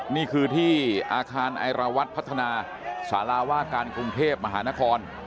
นี่คือที่อาคารไอราวัตรพัฒนาสาราว่าการกรุงเทพมหานคร